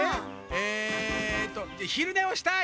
えっとひるねをしたい。